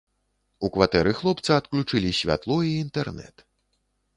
У кватэры хлопца адключылі святло і інтэрнэт.